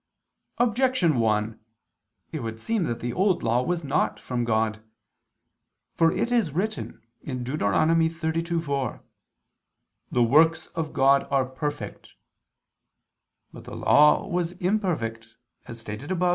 Objection 1: It would seem that the Old Law was not from God. For it is written (Deut. 32:4): "The works of God are perfect." But the Law was imperfect, as stated above (A.